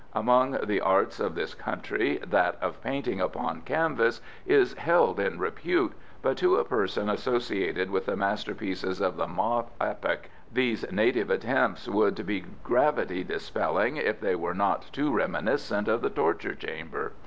Among the arts of this country that of painting upon canvas is held in repute, but to a person associated with the masterpieces of the Ma epoch these native attempts would be gravity dispelling if they were not too reminiscent of the torture chamber.